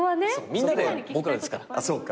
みんなで「ボクら」ですから。